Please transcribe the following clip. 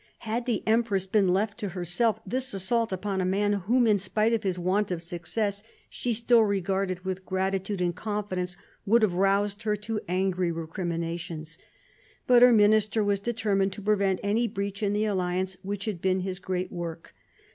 Had the empress been left to herself, this assault upon a man whom, in spite of his want of success, she still regarded with gratitude and confidence, would have roused her to angry recriminations. But her minister was determined to prevent any breach in the alliance which had been his great work.